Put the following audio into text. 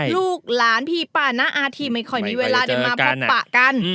ลูกหลานพี่ป้าน้าอาทีไม่ค่อยมีเวลาได้มาพบปะกัน